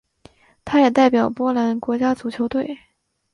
他也代表波兰国家足球队。